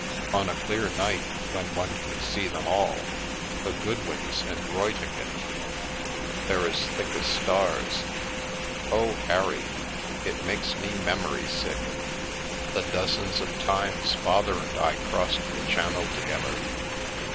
On a clear night when one can see them all, the Goodwins and Ruytingen, they're as thick as stars. Oh, Harry, it makes me memory sick! The dozens of times Father and I crossed the Channel to gether!"